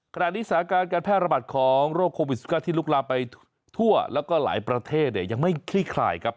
สถานการณ์การแพร่ระบาดของโรคโควิด๑๙ที่ลุกลามไปทั่วแล้วก็หลายประเทศเนี่ยยังไม่คลี่คลายครับ